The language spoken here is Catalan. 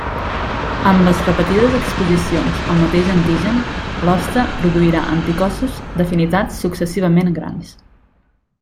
Amb les repetides exposicions al mateix antigen, l'hoste produirà anticossos d'afinitats successivament grans.